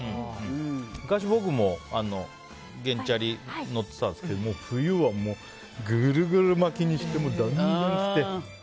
昔、僕も原チャリ乗ってたんですけど冬はもうグルグル巻きにしてガンガン着て。